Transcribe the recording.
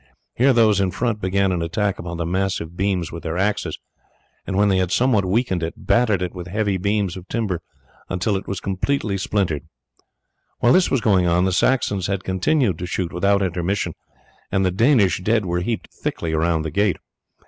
Here those in front began an attack upon the massive beams with their axes, and when they had somewhat weakened it, battered it with heavy beams of timber until it was completely splintered. While this was going on the Saxons had continued to shoot without intermission, and the Danish dead were heaped thickly around the gate.